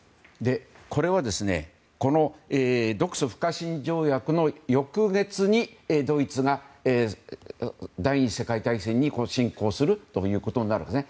これは独ソ不可侵条約の翌月にドイツが第２次世界大戦に侵攻することになるんです。